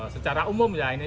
secara umum ya ini